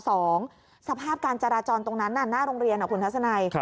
สภาพการจราจรตรงนั้นน่ะหน้าโรงเรียนคุณทัศนัย